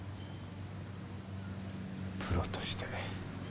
プロとして。